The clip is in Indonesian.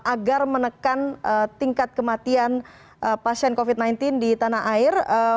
agar menekan tingkat kematian pasien covid sembilan belas di tanah air